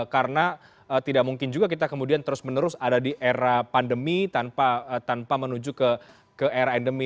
karena tidak mungkin juga kita kemudian terus menerus ada di era pandemi tanpa menuju ke era endemi